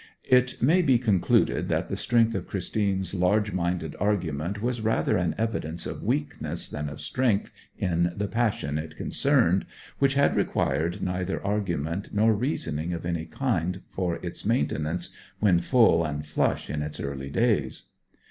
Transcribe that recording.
It may be concluded that the strength of Christine's large minded argument was rather an evidence of weakness than of strength in the passion it concerned, which had required neither argument nor reasoning of any kind for its maintenance when full and flush in its early days.